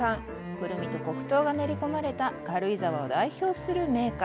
クルミと黒糖が練りこまれた軽井沢を代表する銘菓。